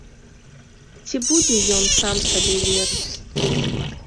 Ці будзе ён сам сабе верыць?